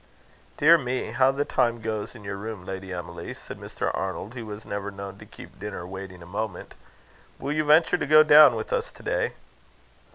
"Dear me! how the time goes in your room, Lady Emily!" said Mr. Arnold, who was never known to keep dinner waiting a moment. "Will you venture to go down with us to day?"